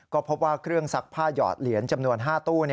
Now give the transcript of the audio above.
ก็พบว่าเครื่องซักผ้าหยอดเหรียญจำนวน๕ตู้